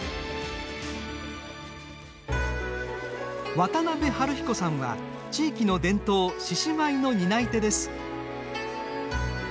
渡辺治彦さんは地域の伝統、獅子舞の担い手です。